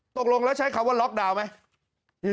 ตกลงแล้วใช้คำว่าล็อกดาวน์ไหม